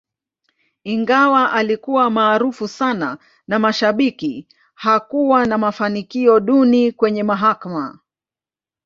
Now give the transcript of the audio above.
Ingawa alikuwa maarufu sana na mashabiki, hakuwa na mafanikio duni kwenye mahakama.